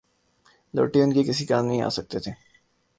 لوٹے ان کے کسی کام نہ آ سکتے تھے۔